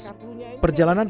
perjalanan hidupnya berulang